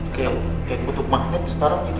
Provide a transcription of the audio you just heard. kayak bentuk magnet sekarang gitu